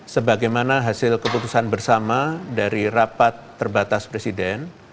sebagaimana hasil keputusan bersama dari rapat terbatas presiden